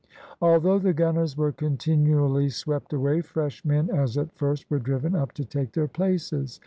Although the gunners were continually swept away, fresh men, as at first, were driven up to take their places.